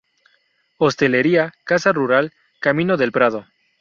Hostelería: casa rural "Camino del Prado".